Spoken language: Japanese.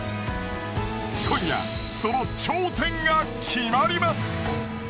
今夜その頂点が決まります。